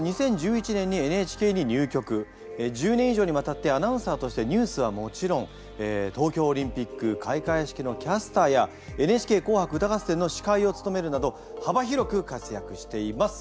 大学卒業後１０年以上にわたってアナウンサーとしてニュースはもちろん東京オリンピック開会式のキャスターや「ＮＨＫ紅白歌合戦」の司会をつとめるなど幅広く活躍しています。